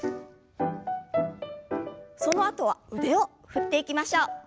そのあとは腕を振っていきましょう。